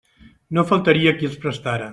No faltaria qui els prestara.